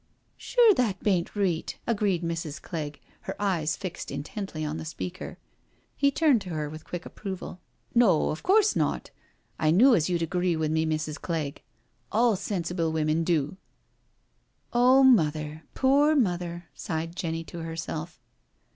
'*" Sure that hain't reet," agreed Mrs. Clegg, her eyes fixed intently on the speaker. He turned to her with quick approval: " No, of course not; I knew as you'd agree with me, Mrs. Clegg— all s^ sible women do." " Oh, Mother I Poor Mother I " sighed Jenny to her self.